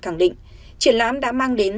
khẳng định triển lãm đã mang đến